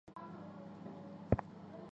黑碳不完全燃烧和氧化形成的产物。